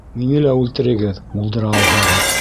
Мине лә үлтерегеҙ, булдыра алһағыҙ!